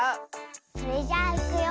それじゃあいくよ。